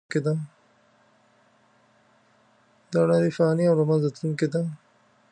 دا نړۍ فانې او له منځه تلونکې ده .